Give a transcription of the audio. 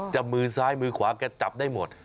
มือซ้ายมือขวาแกจับได้หมด